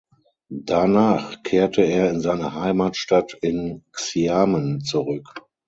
Danach kehrte er in seine Heimatstadt in Xiamen zurück.